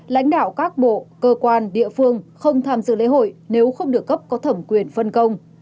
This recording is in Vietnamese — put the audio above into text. lãnh đạo các bộ cơ quan địa phương không tham dự lễ hội nếu không được cấp có thẩm quyền phân công